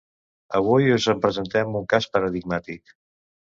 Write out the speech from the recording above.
Avui us en presentem un cas paradigmàtic.